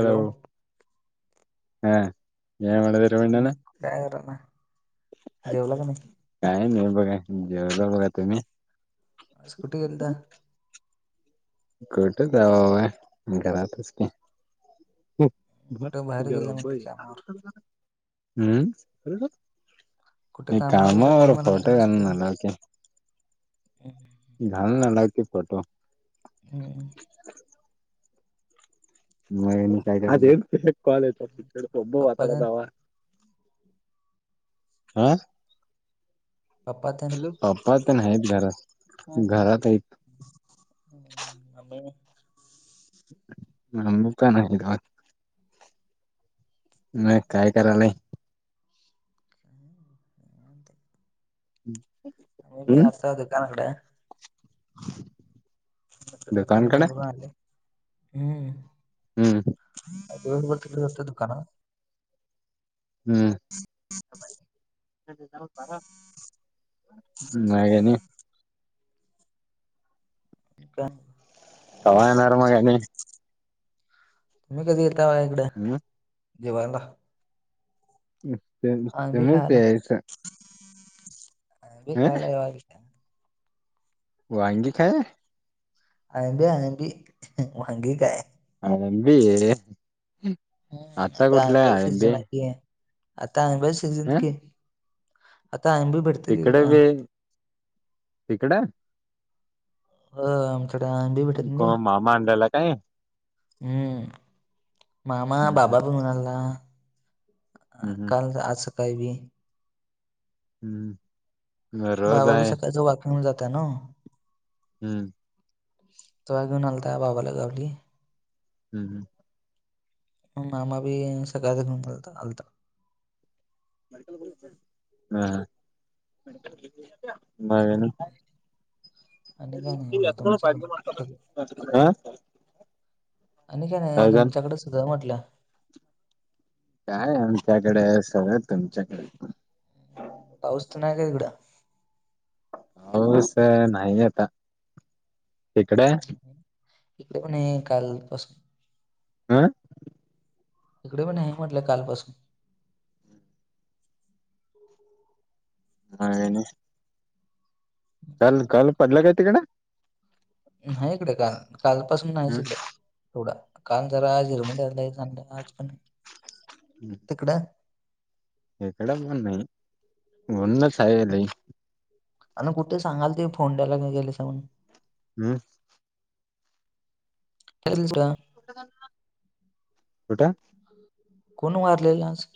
Hello काय करालाय? जेवला का नाही? काय नाही बघा. जेवलो बघा. तुम्ही? आज कुट गेलता. कुट जवाव? घरातच की. कुठे बाहेर गेला म्हणले कामावर [unintelligible] कुठे कामावर कुठे मम्मी म्हणालती ना सकाळी [unintelligible] [unintelligible] हम्. पप्पा [unintelligible] तेन हा. पप्पा तेन पप्पा तेन हायत घरात, घरात आहेत. [unintelligible] [unintelligible] मग काय करालाय? हम्म. मे बी असता दुकानकड. आता दुकान दुकानकडे बंद करून आलय. हम्. हम्म दिवसभर तिकडचं असत दुकाना वर. हम्म. नाही आणि का कवा येणार मग आणि? तुम्ही कधी येता बगा इकड हम् जेवायला. आंबी खायला [unintelligible] ह [unintelligible] वांंगी काय? आळंबी- आळंबी, वांगी काय? आळंबी, हम्म आता कुटल आंब्याचा आळंबी? सीजन आहे ह [unintelligible] हीकड बी. तिकडं? ह. आमचं [unintelligible] को मामा आणलेला काय? हम्म मामा, हम्म बाबा हम्म ब म्हणाला. हम्म काल आं आज सकाळी बी. हम्म. हम्म रोज बाबाबी आहे सकाळच वाकिंगला जाता नव? हम्म. तो घेऊन आलता बाबाला गावली. हम् हम. मग मामा बी सकाळ घऊनलता आलता. हा. [unintelligible] आणि काय नाही बघा तुमच्याकडं सगळं. [unintelligible] हा आणि काय नाही, तुमच्याकडंच सगळं म्हटलं. काय आमच्याकडे? सगळं तुमच्याकडे. पाऊसत नाही का हिकडं? पाऊस नाही आता. तिकडे? हितं पण हाय कालपस हा? इकडे पण नाही म्हटलं कालपासून. हाये ना काल काल पडला काय तिकडं? नाही इकडे काल, कालपासून नाहीच हिकडं. थोडा, काल जरा झिरमुट आलता चांगला आजपण [inaudible] तिकड [unintelligible] म्हणूनच हाय लई. आणि कुठे सांगालते फोंड्याला नि गेलेसा म्हणून हम्म [unintelligible] कुठं? [inaudible] कोण वारलेलं आज?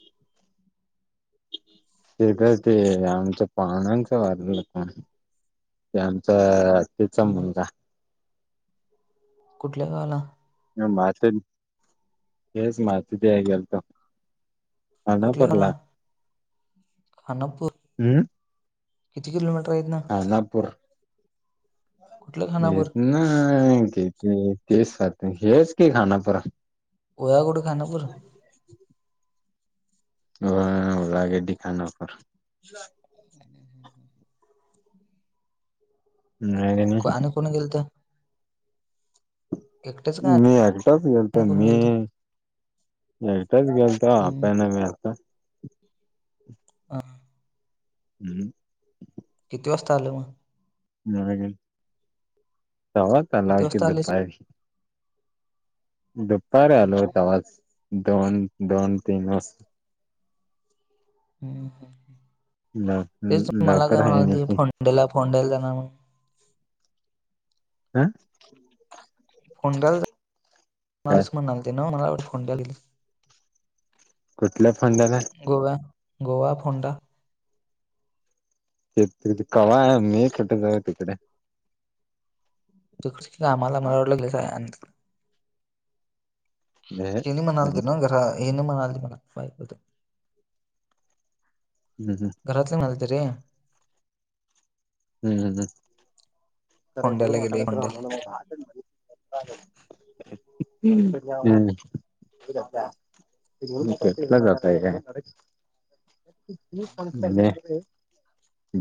तिकडं ते आमच्या पाहुण्यांचं वारलं, ते आमचं तेचा हम्म मुलगा. कुठल्या गावाला? ते माती, तेच माती द्याय गेलतो. कुठल्या गावाला [unintelligible] खानापूर, हम्म किती किलोमीटर आहे इथनं? खानापूर कुठलं खानापूर हितन किती तीस का तीस की खानापूरा. [unintelligible] खानापूर [unintelligible] खानापूर नाय को- [unintelligible] आणि कोण गेलतं? एकटेच का मी एकटाच गेलतो, आणि कोण मी गेलत एकटाच गेलतो [unintelligible] मी [unintelligible] आ हम्म किती वाजता आलं मग? [unintelligible] तवाच आला किती की वाजता आले दुपार की दुपार आलो ओ तवचा, दोन दोन तीन वाज हम्म हम्म, तेच मला लवकर काय आहे ना म्हणालते की [unintelligible] हं फोंड्याला जाणारेस म्हणालतेना, मला वाटलं फोंड्याला गेली. कुठल्या फोंड्याला? गोव्या, गोवा फोंडा ते कवा, मी कुठे जाऊ तिकडे? तूच कामाला मला वाटलं, गेलेसान हे नि म्हणाल तेना घरा, हे नि म्हणालते [unintelligible] हम हम घरातुन आलंत रे. फोंड्याला गेले फोंड्याला [unintelligible] [unintelligible] तुम्ही ट्रीपला जाताय का?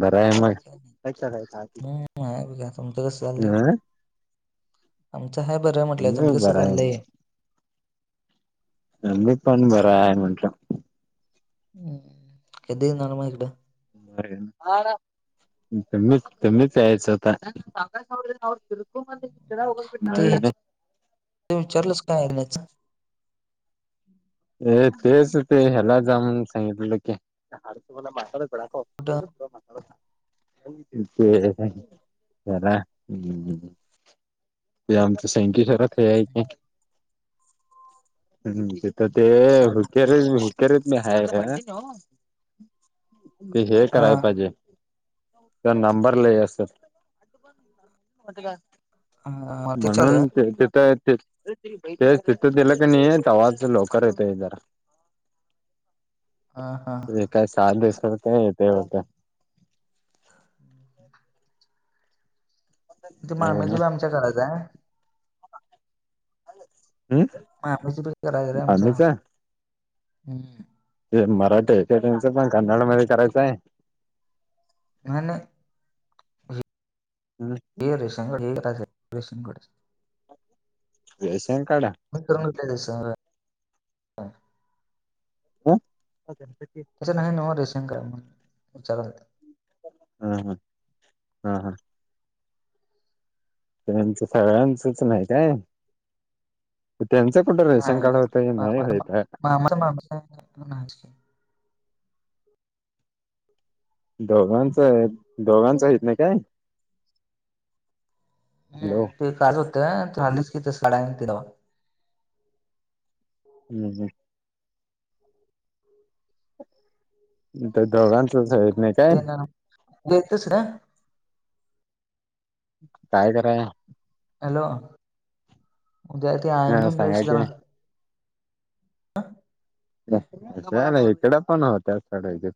बरा आहे मग. हम्म आहे बघा. तुमचं कस चाललंय. अ आमच हाय बर म्हटलय. मी तुमच कस बरा चाललय. आहे मी पण बरा आहे म्हटल. हम्म कधी येणार मग इकड. [unintelligible] त्यांनीच त्यांनीच यायच आता. आता हेच विचारलंच काय याच. हे तेच ते ह्याला जा म्हणून सांगितल की. कुठं [unintelligible] ते जरा ते आमच [unintelligible] [unintelligible] ते हे हा करायला पाहिजे. तर नंबर लय असत्यात. नाहीत काय. हा ते चाल म्हणून ते तिथं ती ते तिथं दिलं का नाही. तवाच लोक करतय जरा. ह हा हा [unintelligible] ती मामजी बी हम् आमच्या घरात आहे. आम्हीच [unintelligible] ते मराठी आहे का त्यांचपण. कन्नड मध्ये करायच आहे. हा ना. हम्म हे रेशन कार्ड काढायचं. रेशन काढायच. रेशन काढा. [unintelligible] [unintelligible] नाही नव्ह रेशन कार्ड आमच्या घरात. हा हा हा हा त्यांच सगळ्यांचच नाही काय. त्यांच कुठं रेशन नाही कार्ड होत. नाही मामाचं होयता. [unintelligible] दोघांचं आहे. दोघांचं येत नाही काय. हॅलो [unintelligible] हम्म हम्म ते दोघांचच आहेत नाही काय. देतोस र. काय कराय. हॅलो उद्या ते आयंग सांगायचे [unintelligible] ना इकड पण होतात काढायचे.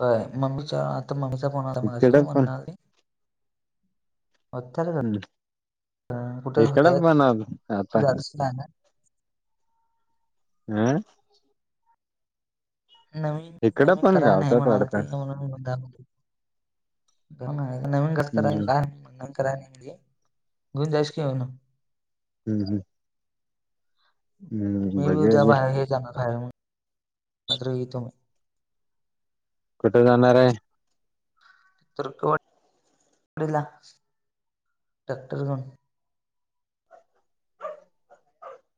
हो मम्मीच्या आता मम्मीचा फोन आला इकड मगाशी. पण म्हणाली [unintelligible] हम्म अ कुठे इकड होत्यात. पण आता तू जातस नाही ना. हम्म नवीन इकडं नवीन पण कराय नाही गावतात म्हणाल वाढत ते म्हणुन नवीन कस कराय हम्म काय नाही नवीन कराय नाही घेऊन जायस कीन हम्म हम्म मी बी बघे उद्या बघे बाहेर हे जाणार, येतो मी कुठे जाणार आहे. [unintelligible] ला डॅक्टर ग [unintelligible]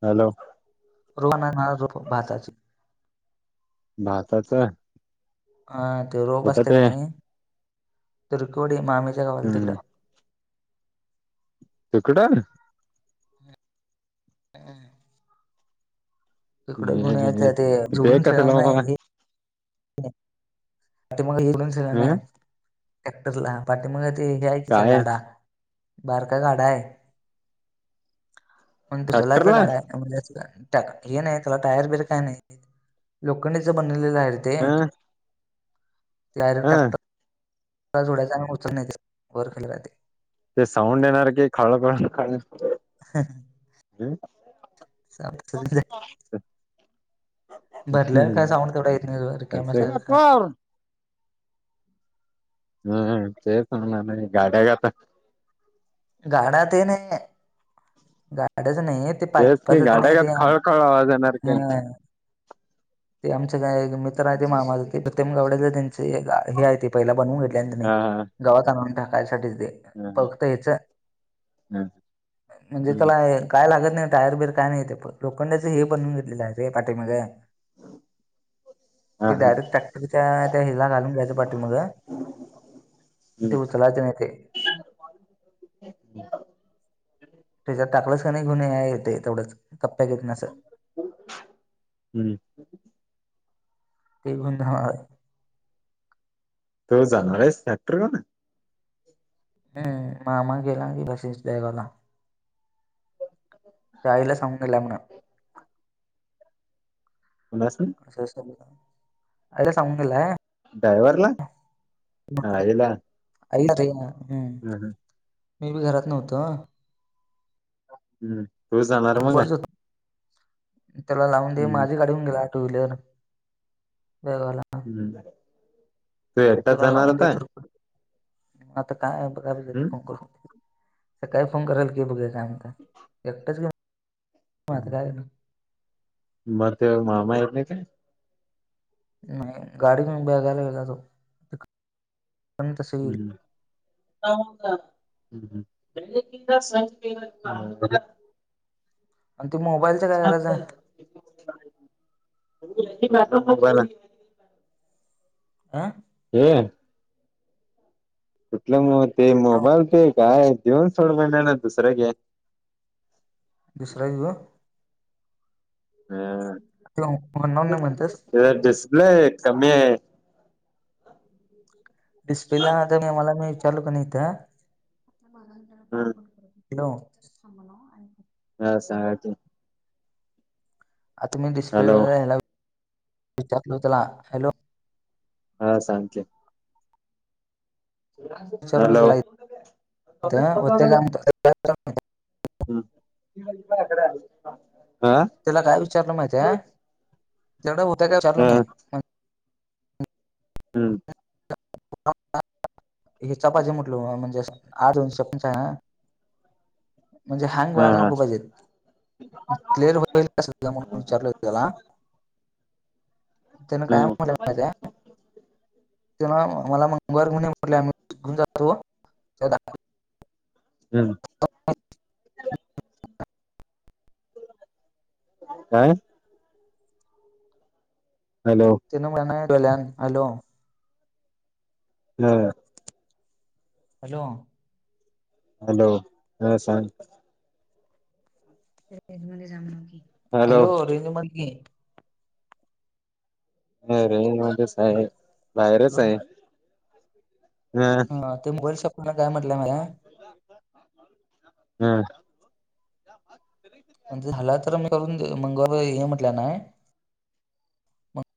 हॅलो! रोहन आहे ना रो भातची भातच हा ते रोप असतय कनी तुरकोडी मामीच्या गावाल तिकड हम्म तिकडं हा. तिकडे कोण हाय ते ते जुडून खेळणार कसला बाबा नाही हे. पाठी मग हेण अ नाही ट्रॅक्टरला पाठी मग ते हे ऐकाचा काय गाडा. बारका गाडा आहे. पण तू चलाच ट्रॅक्टरला गाडा आहे म्हणजे ट हे नाही त्याला टायर बिर काय नाही लोखंडीच बनलेलं आहे र ते. ह ते डायरेक्ट ह ट्रॅक्टरला जोडायचा. आणि उचलून न्हायच वर खाली जाते. ते साऊंड येणार की खाळखाळखाळ हा, ह. हम! [unintelligible] भरल्यावर काय हम्म साऊंड तेवढा येत नाहीरकम बसल्यावर का? हम् तेस ना न नाही गाड्या गता गाड्याते नाहीआहे गाड्याच नाही आहेत. ते तेच की पाईपचत नाही ते गाड्यागात आ खळखळ आवाज येणार की ह ते आमचे एक मित्र आहे, ते मामाझा ते प्रतेम गाडे त्यांचे हे आहे ते पहिला बनवून घेत. हा गावात आणून टाकायसाठीच दे फक्त हच हम. म्हणजे त्याला काय लागत नाही टायर बियर काय नाही, लोखंडाच हे बनून घेतलेलं आहे ते पाठीमाग. हा ते हा डायरेक्ट ट्रॅक्टरच्या त्या हिलला घालून घ्यायचं पाठी माग. हा ते उचलायचं नाही ते. त्याच्यात टाकलच का नाही गुण येत आहे तेवढंच कप्प्यात येत नाहीअस. हम्म! ते गुणधणार तो जाणारस टॅक्टर बघायला. हम् मामा गेला [unintelligible] आईला सांगून गेलाय म्हण. बलासून. आईला सांगून गेलाय. ड्रायव्हरला. हा याला आईला रे! हम्म मी बी घरात नव्हतो. हम्म, तू जाणार मंग. बरच होत त्याला लावून दे! हम्म माझी गाडी होऊन गेला टू व्हीलर बेळगावला. हम्म! तू एकटात तुला जाणार लावून दे आता. तर आता काय बघायजेेत हम्म फोन करून. सकाळी फोन कराल की बघ कामता एकटंच हम्म. काय ग मग तेव्ह मामायेत नाही काय. नाही गाडी घेऊन बेळगावला गेला तो. पण तसं येईल हम्म! खाऊन जा [unintelligible] आणि ते मोबाईल [unintelligible] आं हॅलो. तुथलं मग ते मोबाईल ते काय देऊन थोडं बंड ना दुसरं घ्या दुसरा घेऊ का. ते म्हणणार नाही म्हणतस ह डिस्प्ले कमी आहे. [unintelligible] डिस्प्ले ला मी त्याला मी विचारल हित हं. हॅलो. थांबा ना हो ऐका. काय सांगायचं. आता मी डिस्प्लेला हॅलो यायला [unintelligible] विचारलो त्याला हॅलो. हा सांगितले. विचारलो हॅलो. त्याला होत्या काय ह ती म्हटली माया कड आली. त्याला काय विचारलं महितीय? तेवढ्या होत्या काय विचारलं हा मी. हम्म. [unintelligible] हे च पाहिजे म्हटल म्हणजे आ [unintelligible] आहे ना. म्हणजे हँग व्हायला हा नको पाहिजे क्लिअर होईल म्हणून विचारल ‌होत. त्याला त्यान ह काय म्हटलं माहितेय? ते ना मला मंगळवार म्हणे म्हटले आम्ही घेऊन जातो. हम्म. हा अ. [unintelligible] हॅलो. तिनं म्हणल्या हॅलो. हॅलो. हॅलो. हॅलो, हा सांग. हॅलो रेंज मधे ये. अ रेंज मध्येच आहे बाहेरच हॅलो आहे. ह ते वर्कशॉप वाला काय म्हटलंय माला ह. म्हणजे झाला तर मी करून मंगळवारी हे म्हटलं ना